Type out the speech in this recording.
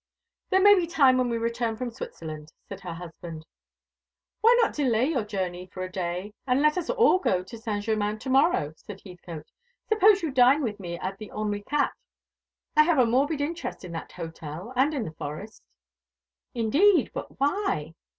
"There may be time when we return from Switzerland," said her husband. "Why not delay your journey for a day, and let us all go to Saint Germain to morrow?" said Heathcote. "Suppose you dine with me at the Henri Quatre. I have a morbid interest in that hotel, and in the forest." "Indeed! But why?"